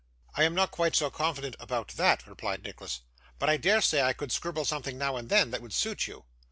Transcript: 'I am not quite so confident about that,' replied Nicholas. 'But I dare say I could scribble something now and then, that would suit you.